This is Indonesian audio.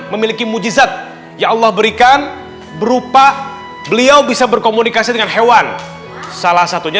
memiliki mujizat ya allah berikan berupa beliau bisa berkomunikasi dengan hewan salah satunya